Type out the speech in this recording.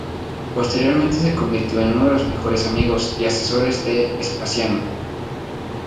Posteriormente se convirtió en uno de los mejores amigos y asesores de Vespasiano.